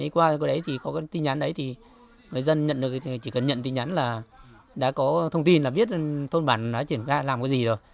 qua cái tin nhắn đấy thì người dân chỉ cần nhận tin nhắn là đã có thông tin là biết thôn bản nó chuyển ra làm cái gì rồi